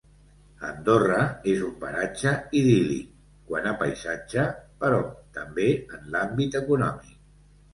Andorra és un paratge idíl·lic quant a paisatge, però també en l’àmbit econòmic.